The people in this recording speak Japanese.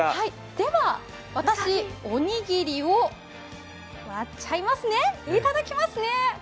では私、おにぎりを割っちゃいますね、頂きます。